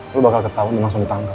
lo bakal ketahuan langsung ditangkap